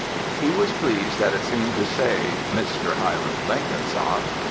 He was pleased that it seemed to say Mr. Hiram Blenkinsop.